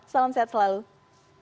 salam sehat selalu